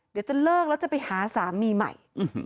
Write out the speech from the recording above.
เดี๋ยวจะเลิกแล้วจะไปหาสามีใหม่